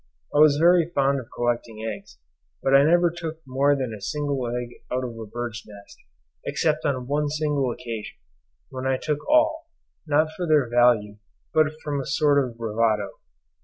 I was very fond of collecting eggs, but I never took more than a single egg out of a bird's nest, except on one single occasion, when I took all, not for their value, but from a sort of bravado.